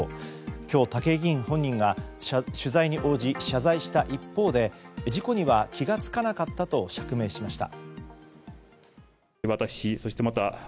今日、武井議員本人が取材に応じ謝罪した一方で事故には気が付かなかったと釈明しました。